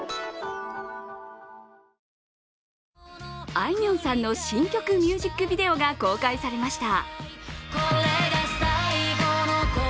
あいみょんさんの新曲ミュージックビデオが公開されました。